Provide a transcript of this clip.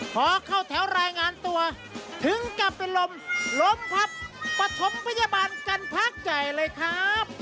พอเข้าแถวรายงานตัวถึงกลับเป็นลมลมพัดปฐมพยาบาลกันพักใหญ่เลยครับ